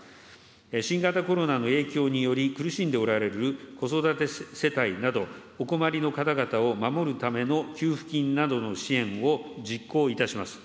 新型コロナの影響により苦しんでおられる子育て世帯など、お困りの方々を守るための給付金などの支援を実行いたします。